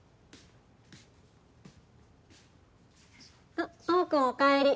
あっ青君おかえり。